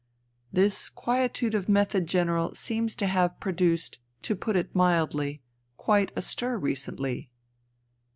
" This quietude of method. General, seems to have produced, to put it mildly, quite a stir recently